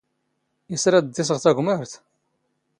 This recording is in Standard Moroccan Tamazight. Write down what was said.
ⵉⵙ ⵔⴰⴷ ⴷ ⵉⵙⵖ ⵜⴰⴳⵯⵎⴰⵔⵜ?